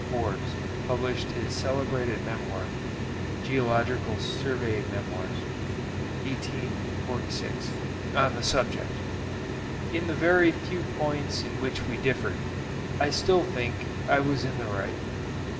Forbes published his celebrated memoir ('Geolog. Survey Mem.,' 1846.) on the subject. In the very few points in which we differed, I still think that I was in the right.